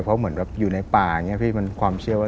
เพราะเหมือนแบบอยู่ในป่าอย่างนี้พี่มันความเชื่อว่า